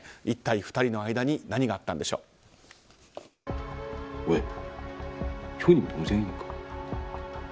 一体２人の間に何があったんでしょう。